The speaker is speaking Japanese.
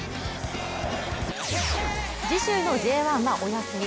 次週のＪ１はお休み。